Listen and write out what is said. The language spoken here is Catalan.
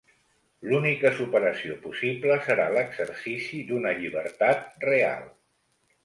L'única superació possible serà l'exercici d'una llibertat real.